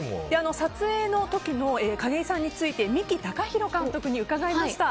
撮影の時の景井さんについて三木孝浩監督に伺いました。